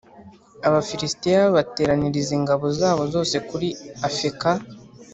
abafilisitiya bateraniriza ingabo zabo zose kuri afeka